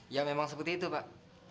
ya memang seperti itu pak